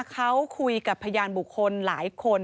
เขาคุยกับพยานบุคคลหลายคน